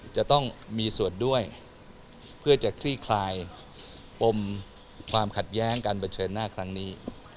จะต้องมีส่วนด้วยเพื่อจะคลี่คลายปมความขัดแย้งการเผชิญหน้าครั้งนี้